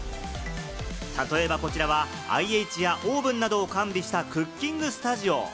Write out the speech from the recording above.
例えば、こちらはＩＨやオーブンなどを完備したクッキングスタジオ。